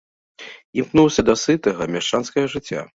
Імкнуўся да сытага мяшчанскага жыцця.